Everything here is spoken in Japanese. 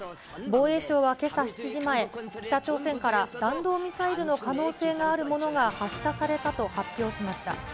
防衛省はけさ７時前、北朝鮮から弾道ミサイルの可能性があるものが発射されたと発表しました。